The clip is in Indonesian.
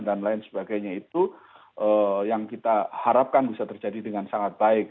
dan lain sebagainya itu yang kita harapkan bisa terjadi dengan sangat baik